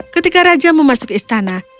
ketika raja memasuki istana